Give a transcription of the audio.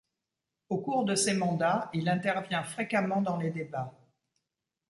Au cours de ses mandats il intervient fréquemment dans les débats.